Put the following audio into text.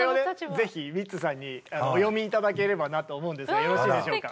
ぜひミッツさんにお読み頂ければなと思うんですがよろしいでしょうか。